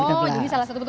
oh jadi salah satu